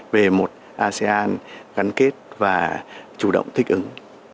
về một asean gắn kết và chủ động thích ứng